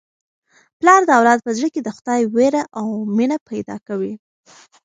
پلار د اولاد په زړه کي د خدای وېره او مینه پیدا کوي.